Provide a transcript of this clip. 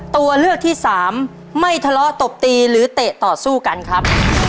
ตัวเลือกที่สามไม่ทะเลาะตบตีหรือเตะต่อสู้กันครับ